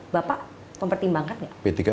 bapak mempertimbangkan nggak